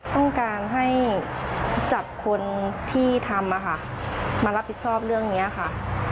ต้องการให้จับคนที่ทำมารับผิดชอบเรื่องนี้ค่ะ